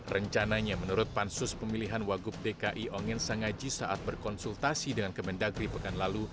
rencananya menurut pansus pemilihan wagub dki ongen sangaji saat berkonsultasi dengan kemendagri pekan lalu